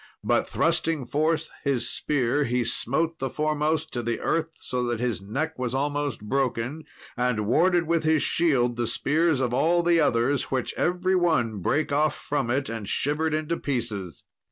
But thrusting forth his spear, he smote the foremost to the earth, so that his neck was almost broken, and warded with his shield the spears of all the others, which every one brake off from it, and shivered into pieces.